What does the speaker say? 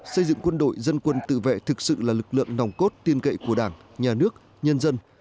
xây dựng quân đội dân quân tự vệ thực sự là lực lượng nòng cốt tiên cậy của đảng nhà nước nhân dân